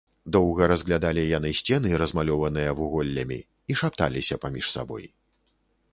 Доўга разглядалі яны сцены, размалёваныя вуголлямі, і шапталіся паміж сабой.